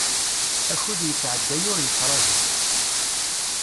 Akud yettɛedday ur yettraju.